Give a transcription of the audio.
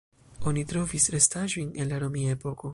Oni trovis restaĵojn el la romia epoko.